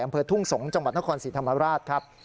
อำเภอทุ่งสงศ์จังหวัดนครศรีธรรมราชครับ